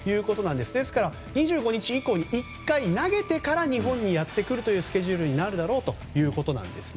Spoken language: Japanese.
ですから、２５日以降に１回投げてから日本にやってくるスケジュールになるだろうということです。